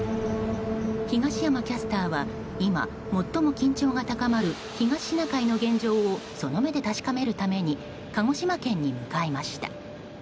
東山キャスターは今、最も緊張が高まる東シナ海の現状をその目で確かめるために鹿児島県に向かいました。